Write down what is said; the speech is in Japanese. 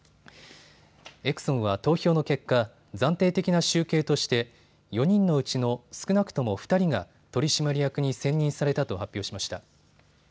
エクソンは投票の結果、暫定的な集計として４人のうちの少なくとも２人が取締役に選任されたと発表しました。